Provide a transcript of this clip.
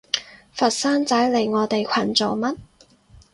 佛山仔嚟我哋群做乜？